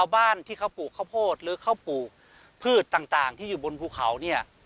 บ้านที่เขาปลูกข้าวโพดหรือเขาปลูกพืชต่างที่อยู่บนภูเขาเนี่ย